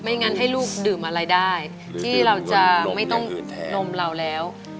งั้นให้ลูกดื่มอะไรได้ที่เราจะไม่ต้องนมเราแล้ว